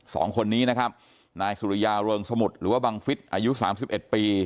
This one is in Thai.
สองคนนี้นะครับนายสุริยาเริงสมุทรหรือว่าบังฟิศอายุสามสิบเอ็ดปี